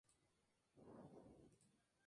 El chico es crack y tiene futuro europeo"".